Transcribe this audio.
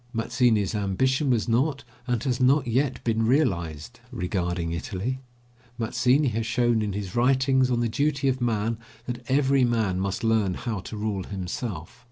Mazzini's ambition was not, and has not yet been realised, regarding Italy. Mazzini has shown in his writings on the duty of man that every man must learn how to rule himself.